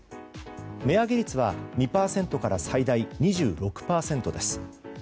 値上げ率は２％から最大２６％です。